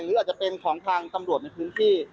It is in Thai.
หรืออาจจะเป็นของทางตำรวจในพื้นที่